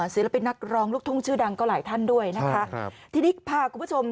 เสียหลาปินนักร้องลูกทมชื่อดังก็หลายท่านด้วยทีนี้พาคุณผู้ชม